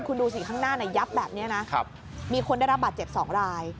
คุณดูสิข้างหน้ายับแบบนี้นะมีคนได้รับบาดเจ็บ๒ราย